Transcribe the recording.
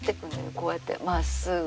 こうやってまっすぐ。